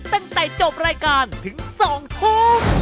ตั้งแต่จบรายการถึง๒ทุ่ม